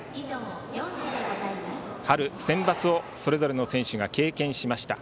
春センバツをそれぞれの選手が経験しました。